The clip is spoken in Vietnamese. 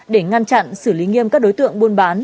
để ngăn chặn xử lý nghiêm các đối tượng buôn bán